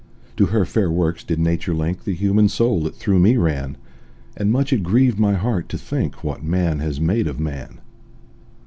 To her fair works did Nature link The human soul that through me ran; And much it grieved my heart to think What man has made of man.